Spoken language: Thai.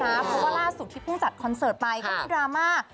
เพราะว่าล่าสุดที่เพิ่งจัดคอนเสิร์ตไปก็มีดราม่า